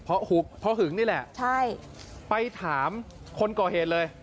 เพราะหึงนี่แหละใช่ไปถามคนก่อเหตุเลย